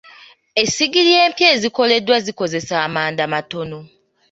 Essigiri empya ezikoleddwa zikozesa amanda matono.